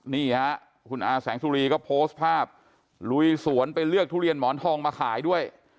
นี่ฮะคุณอาแสงสุรีก็โพสต์ภาพลุยสวนไปเลือกทุเรียนหมอนทองมาขายด้วย